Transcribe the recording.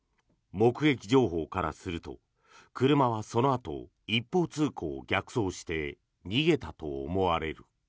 目撃情報からすると車はそのあと一方通行を逆走して逃げたと思われる。